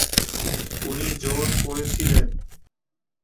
উনি জোর করেছিলেন।